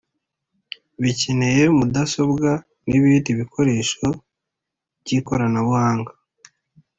Bkeneye mudasobwa n’ibindi bikoresho by’ikoranabuhanga